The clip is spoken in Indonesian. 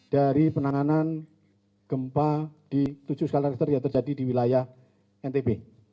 dari penanganan gempa di tujuh skala richter yang terjadi di wilayah ntb